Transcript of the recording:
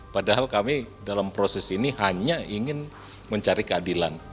padahal kami dalam proses ini hanya ingin mencari keadilan